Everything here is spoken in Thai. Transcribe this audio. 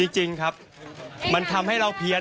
จริงครับมันทำให้เราเพี้ยน